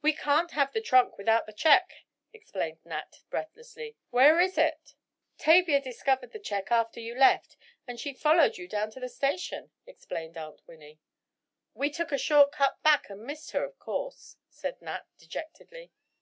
"We can't have the trunk without the check," explained Nat, breathlessly, "where is it?" "Tavia discovered the check after you left, and she followed you down to the station," explained Aunt Winnie. "We took a short cut back and missed her, of course," said Nat, dejectedly.